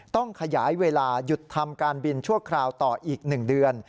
ต้องขยายเวลาหยุดทำการบินชั่วคราวต่ออีก๑เดือน